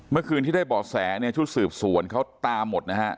เมื่อคืนที่ได้บ่อแสเนี่ยชุดสืบสวนเขาตามหมดนะฮะ